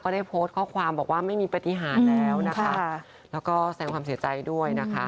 ได้โพสต์ข้อความบอกว่าไม่มีปฏิหารแล้วนะคะแล้วก็แสงความเสียใจด้วยนะคะ